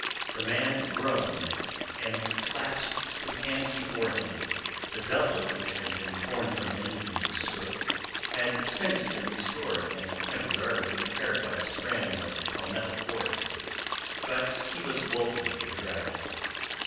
The man groaned, and clasped his hands before him. The doublet which had been torn from him in the sôk had since been restored and temporarily repaired by a strand of palmetto cord. But he was woefully bedraggled.